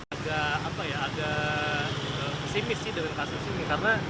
agak apa ya agak simis sih dengan kasus ini